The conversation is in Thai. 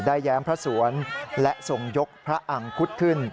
แย้มพระสวนและทรงยกพระอังคุดขึ้น